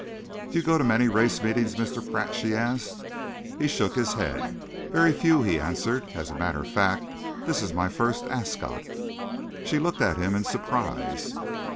"Do you go to many race meetings, Mr. Pratt?" she asked. He shook his head. "Very few," he answered. "As a matter of fact, this is my first Ascot." She looked at him in surprise.